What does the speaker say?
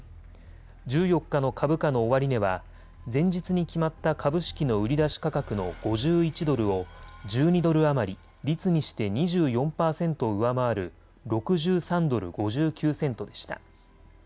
１４日の株価の終値は前日に決まった株式の売り出し価格の５１ドルを１２ドル余り、率にして２４％上回る６３ドル５９セントでした。